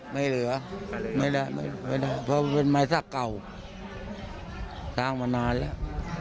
ไม่เหลือไม่ได้เพราะเป็นไม้สักเก่าสร้างมานานแล้ว